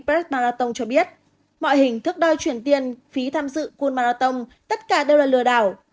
vnxpets marathon cho biết mọi hình thức đôi chuyển tiền phí tham dự cool marathon tất cả đều là lừa đảo